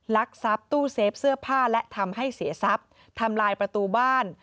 ลักทรัพย์ตู้เซฟเสื้อผ้าและทำให้เสียทรัพย์ทำลายประตูบ้าน